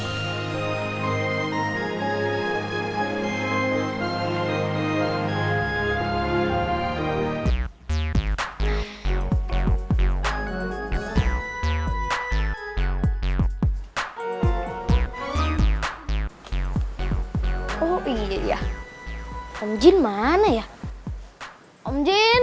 ngin iya kaya pake bau itu jangan cac mix